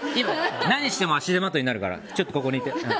何しても足手まといになるからちょっとここにいて。